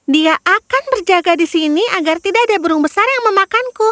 dia akan berjaga di sini agar tidak ada burung besar yang memakanku